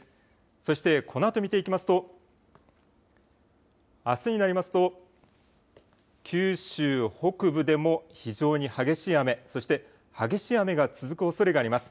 そしてこのあとを見ていきますとあすになりますと九州北部でも非常に激しい雨、そして激しい雨が続くおそれがあります。